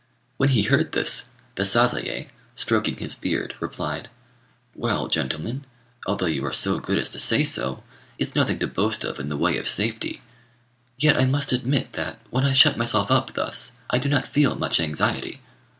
When he heard this, the Sazayé, stroking his beard, replied "Well, gentlemen, although you are so good as to say so, it's nothing to boast of in the way of safety; yet I must admit that, when I shut myself up thus, I do not feel much anxiety."